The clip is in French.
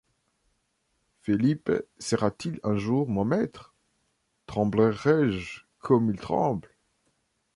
Felipe sera-t-il un jour mon maître? tremblerai-je comme il tremble ?